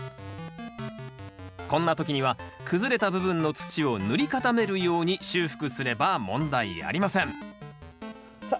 こんな時には崩れた部分の土を塗り固めるように修復すれば問題ありませんさあ